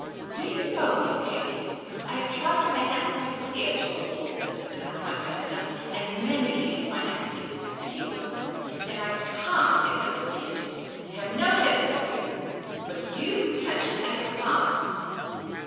*' Do you know, Miss Cayley, I have tried to make that point clear to the War Office, and the Prime Minister, and many leading financiers in the Cit}' of London, and I caji't get them to see it. They have no heads, those people. But jj'^?< catch at it at a glance.